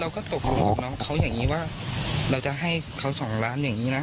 ตกลงก็ตกลงกับน้องเขาอย่างนี้ว่าเราจะให้เขาสองล้านอย่างนี้นะ